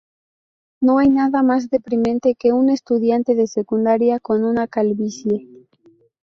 No hay nada más deprimente que un estudiante de secundaria con una calvicie".